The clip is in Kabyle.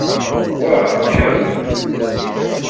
Wa, kemm!